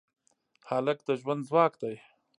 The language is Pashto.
هلک د ژوند ځواک دی.